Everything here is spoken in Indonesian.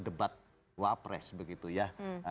debat wapres begitu ya